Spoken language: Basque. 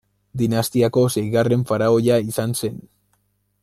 Dinastiako seigarren faraoia izan zen.